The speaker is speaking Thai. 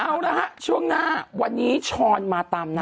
เอาละฮะช่วงหน้าวันนี้ช้อนมาตามน้ำ